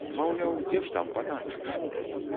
Маўляў, дзе ж там патанчыш?